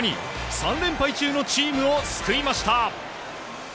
３連敗中のチームを救いました。